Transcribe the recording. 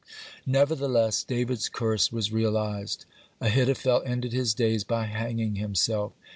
(70) Nevertheless David's curse was realized. Ahithophel ended his days by hanging himself.